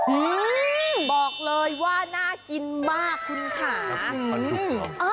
อืมบอกเลยว่าน่ากินมากคุณค่ะ